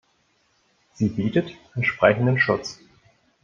Sie bietet entsprechenden Schutz.